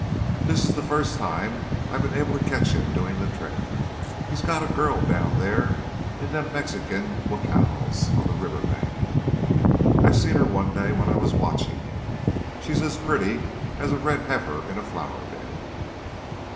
This is the first time I've been able to catch him doing the trick. He's got a girl down there in them Mexican jacals on the river bank. I seen her one day when I was watching him. She's as pretty as a red heifer in a flower bed."